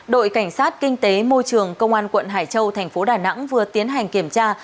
đội cảnh sát kinh tế môi trường công an quận hải châu thành phố đà nẵng vừa tiến hành kiểm tra